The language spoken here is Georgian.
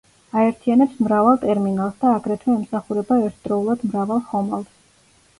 აერთიანებს მრავალ ტერმინალს და აგრეთვე ემსახურება ერთდროულად მრავალ ხომალდს.